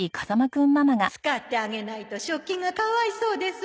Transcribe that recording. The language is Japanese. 使ってあげないと食器がかわいそうですわ。